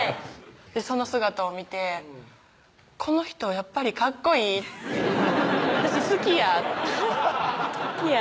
その姿を見てこの人はやっぱりカッコいい私好きやって「好きや」